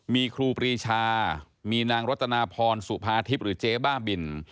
มีครูปรีชามีนางรัตนาพรสุภาทิพย์หรือเจ๊บ้าบิน